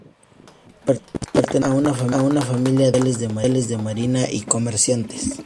Pertenecía a una familia de Oficiales de Marina y Comerciantes.